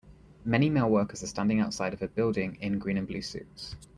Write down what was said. Many male workers are standing outside of a building in green and blue suits.